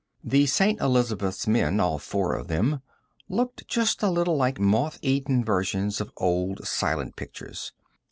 The St. Elizabeths men, all four of them, looked just a little like moth eaten versions of old silent pictures.